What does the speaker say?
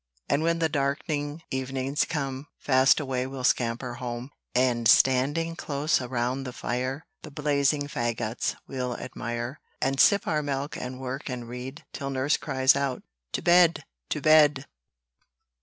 And when the dark'ning evening's come, Fast away we'll scamper home, And standing close around the fire, The blazing faggots we'll admire, And sip our milk, and work and read, Till nurse cries out, "To bed! to bed!"